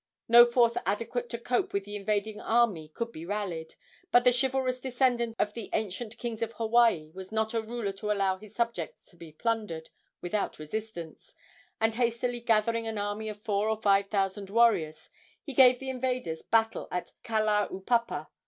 No force adequate to cope with the invading army could be rallied; but the chivalrous descendant of the ancient kings of Hawaii was not a ruler to allow his subjects to be plundered without resistance, and, hastily gathering an army of four or five thousand warriors, he gave the invaders battle at Kalaupapa.